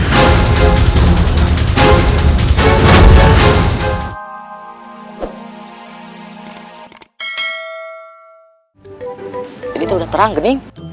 jadi itu udah terang ke ming